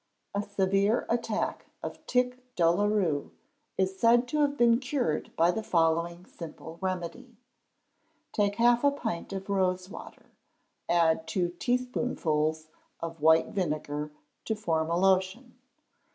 A severe attack of tic doulou reux is said to have been cured by the following simple remedy: Take half a pint of rose water, add two teaspoonfuls of white vinegar, to form a lotion.